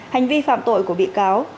hành vi phạm tội của bị cáo